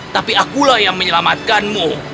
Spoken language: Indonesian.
tapi akulah yang menyelamatkanmu